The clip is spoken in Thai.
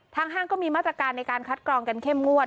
ห้างก็มีมาตรการในการคัดกรองกันเข้มงวด